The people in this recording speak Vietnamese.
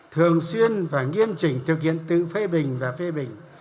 thường xuyên và nghiêm trình thực hiện tự phê bình và phê bình